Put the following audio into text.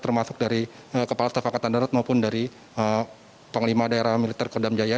termasuk dari kepala tafakat andarat maupun dari panglima daerah militer kodam jaya